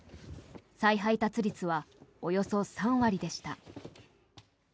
再配達率はおよそ３割でした。